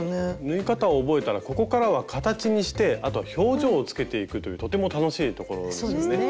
縫い方を覚えたらここからは形にしてあとは表情をつけていくというとても楽しいところですよね。